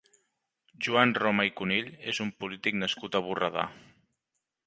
Joan Roma i Cunill és un polític nascut a Borredà.